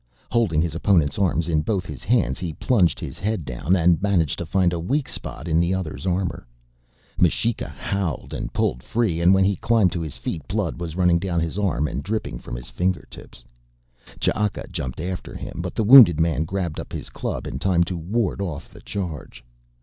Holding his opponent's arms in both his hands he plunged his head down and managed to find a weak spot in the other's armor: M'shika howled and pulled free and when he climbed to his feet blood was running down his arm and dripping from his fingertips. Ch'aka jumped after him but the wounded man grabbed up his club in time to ward off the charge.